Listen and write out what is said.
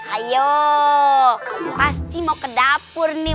ayo pasti mau ke dapur nih